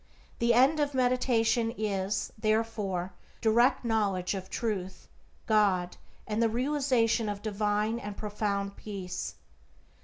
The end of meditation is, therefore, direct knowledge of Truth, God, and the realization of divine and profound peace.